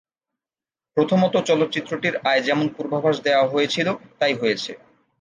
প্রথমত চলচ্চিত্রটির আয় যেমন পূর্বাভাস দেয়া হয়েছিল তাই হয়েছে।